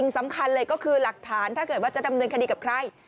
สำคัญเลยก็คือหลักฐานถ้าเกิดว่าจะดำเนินคดีกับใคร